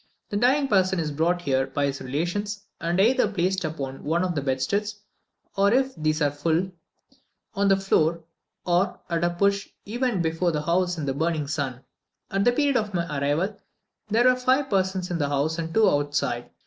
The dying person is brought here by his relations, and either placed upon one of the bedsteads, or, if these are all full, on the floor, or, at a push, even before the house in the burning sun. At the period of my arrival, there were five persons in the house and two outside.